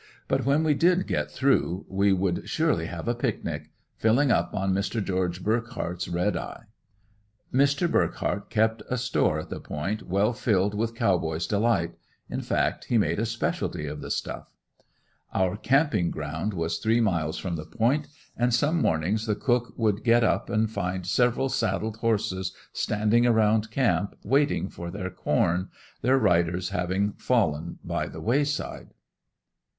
But when we did get through we would surely have a picnic filling up on Mr. Geo. Burkheart's red eye. Mr. Burkheart kept a store at the "Point" well filled with Cow Boys delight in fact he made a specialty of the stuff. Our camping ground was three miles from the Point, and some mornings the cook would get up and find several saddled horses standing around camp waiting for their corn their riders having fallen by the wayside.